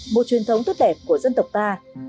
một truyền thống tốt đẹp của dân tộc ta